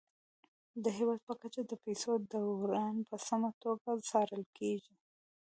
د هیواد په کچه د پيسو دوران په سمه توګه څارل کیږي.